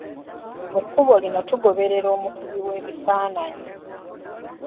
Mu kkubo lino tugoberera omukubi w'ekifaananyi.